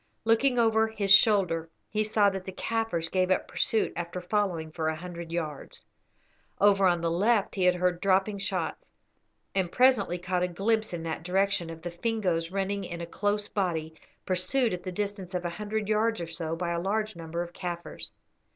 Looking over his shoulder he saw that the Kaffirs gave up pursuit after following for a hundred yards. Over on the left he heard dropping shots, and presently caught a glimpse in that direction of the Fingoes running in a close body, pursued at the distance of a hundred yards or so by a large number of Kaffirs.